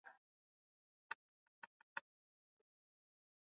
Tushache ba mama bo benyewe bateswe na kurima